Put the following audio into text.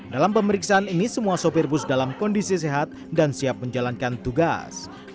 dalam pemeriksaan ini semua sopir bus dalam kondisi sehat dan siap menjalankan tugas